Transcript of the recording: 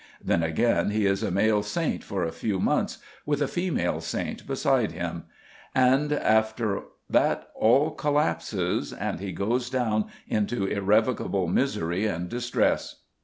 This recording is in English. Then, again, he is a male saint for a few months, with a female saint beside him; and after that all collapses, and he goes down into irrevocable misery and distress.